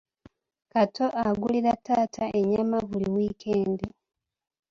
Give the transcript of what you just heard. Kato agulira taata ennyama buli wiikendi.